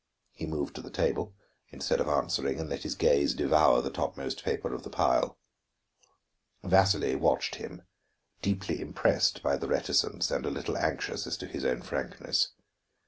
He moved to the table, instead of answering, and let his gaze devour the topmost paper of the pile. Vasili watched him, deeply impressed by the reticence and a little anxious as to his own frankness.